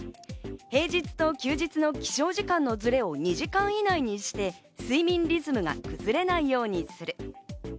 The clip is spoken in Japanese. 平日と休日の起床時間のずれを２時間以内にして、睡眠リズムがずれないようにする。